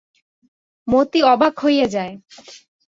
মতি অবাক হইয়া যায়।